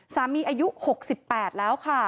สามีอายุ๖๘แล้ว